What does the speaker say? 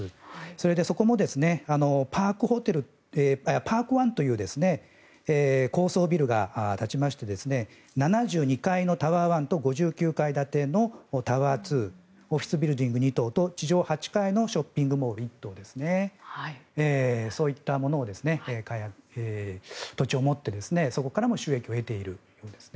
それで、そこもパークワンという高層ビルが立ちまして７２階のタワーワンと５２階建てのタワーツーオフィスビルディング２棟と地上８階のショッピングモール１棟そういったものを土地を持ってそこから収益を得ているようです。